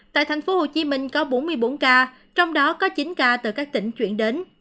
tại thành phố hồ chí minh có bốn mươi bốn ca trong đó có chín ca từ các tỉnh chuyển đến